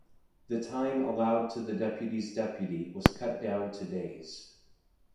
The time allowed to the deputy's deputy was cut down to days.